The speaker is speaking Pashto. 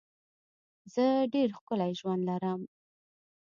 زه ډېر ښکلی ژوند لرم.